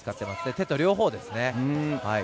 手と両方です。